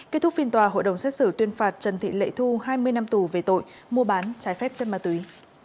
kết thúc phiên tòa hội đồng xét xử tuyên phạt trần thị lệ thu hai mươi năm tù về tội mua bán trái phép chất ma túy